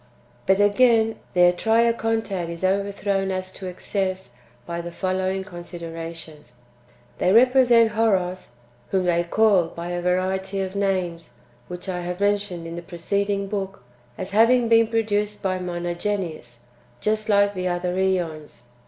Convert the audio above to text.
7. But again, their Triacontad is overthrown as to excess by the following considerations. They represent Horos (whom they call by a variety of names which I have men tioned in the preceding book) as having been produced by Monogenes just like the other ^ons.